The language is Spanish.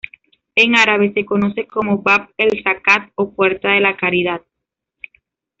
En árabe se conoce como "Bab el-Zakat" o "Puerta de la Caridad".